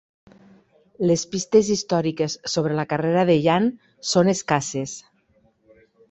Les pistes històriques sobre la carrera de Yan són escasses.